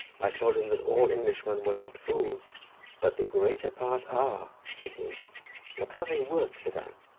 I told him that all Englishmen were not fools. "But the greater part are," said he. "Look how they work," said I.